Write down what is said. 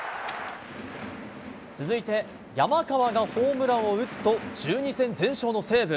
続いて、山川がホームランを打つと、１２戦全勝の西武。